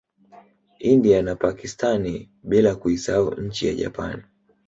India na Pakstani bila kuisahau nchi ya Japani